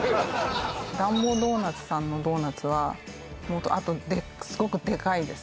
ダンボドーナツさんのドーナツはすごくデカいです